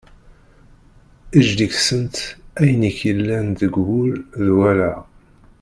Eg deg-sent ayen i k-yellan deg wul d wallaɣ.